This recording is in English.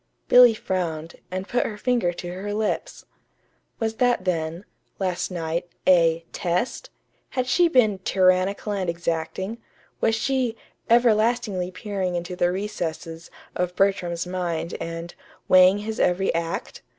Billy frowned, and put her finger to her lips. Was that then, last night, a "test"? Had she been "tyrannical and exacting"? Was she "everlastingly peering into the recesses" of Bertram's mind and "weighing his every act"?